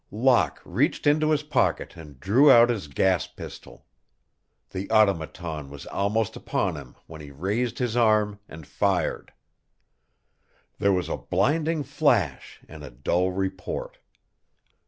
Locke reached into his pocket and drew out his gas pistol. The Automaton was almost upon him when he raised his arm and fired. There was a blinding flash and a dull report.